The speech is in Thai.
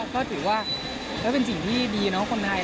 ก็ถือว่าก็เป็นสิ่งที่ดีเนาะคนไทย